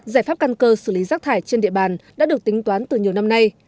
các căn cơ xử lý rác thải trên địa bàn đã được tính toán từ nhiều năm nay